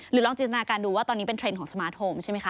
ลองจินตนาการดูว่าตอนนี้เป็นเทรนด์ของสมาร์ทโฮมใช่ไหมคะ